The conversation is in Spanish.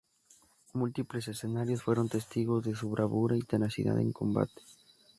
Múltiples escenarios fueron testigos de su bravura y tenacidad en combate.